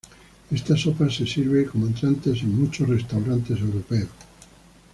Esta sopa se sirve como entrante en muchos restaurantes europeos.